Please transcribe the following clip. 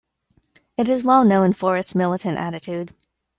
It is well known for its militant attitude.